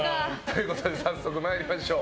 早速参りましょう。